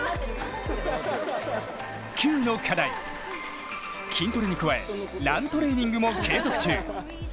Ｑの課題、筋トレに加えラントレーニングも継続中。